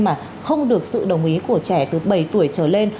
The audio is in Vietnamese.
mà không được sự đồng ý của trẻ từ bảy tuổi trở lên